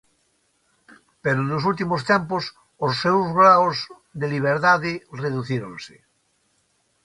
Pero nos últimos tempos os seus graos de liberdade reducíronse.